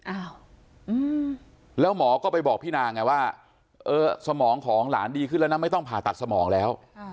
อ้าวแล้วหมอก็ไปบอกพี่นางไงว่าเออสมองของหลานดีขึ้นแล้วนะไม่ต้องผ่าตัดสมองแล้ว